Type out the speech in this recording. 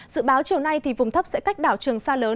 dự báo chiều nay vùng thấp sẽ cách đảo trường sa lớn